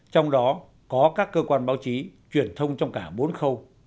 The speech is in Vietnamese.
trong đó có các cơ quan báo chí truyền thông trong cả bốn khâu